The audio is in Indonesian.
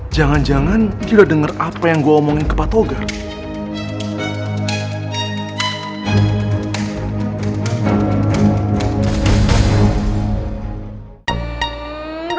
jangan jangan kita dengar apa yang gue omongin ke pak togar